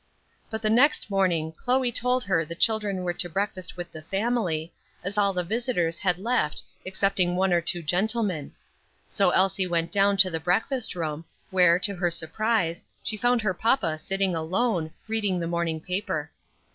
But the next morning Chloe told her the children were to breakfast with the family, as all the visitors had left excepting one or two gentlemen. So Elsie went down to the breakfast room, where, to her surprise, she found her papa sitting alone, reading the morning paper.